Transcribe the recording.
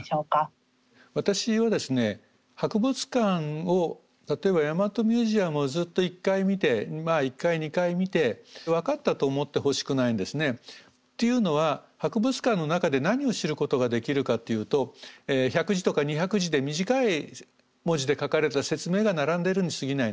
私はですね博物館を例えば大和ミュージアムをずっと１回見て１回２回見て分かったと思ってほしくないんですね。というのは博物館の中で何を知ることができるかっていうと１００字とか２００字で短い文字で書かれた説明が並んでいるにすぎないんですね。